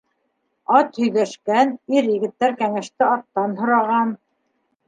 Ат һөйҙәшкән, ир- егеттәр кәңәште аттан һораған!